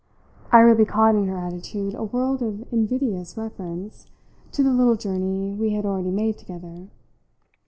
I really caught in her attitude a world of invidious reference to the little journey we had already made together.